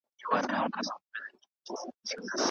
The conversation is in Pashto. توسان